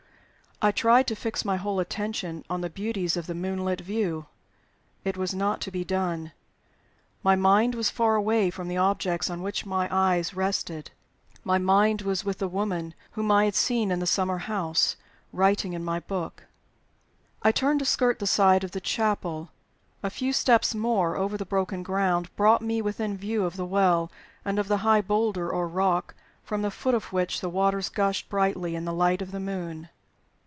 I tried to fix my whole attention on the beauties of the moonlit view. It was not to be done. My mind was far away from the objects on which my eyes rested. My mind was with the woman whom I had seen in the summer house writing in my book. I turned to skirt the side of the chapel. A few steps more over the broken ground brought me within view of the Well, and of the high boulder or rock from the foot of which the waters gushed brightly in the light of the moon.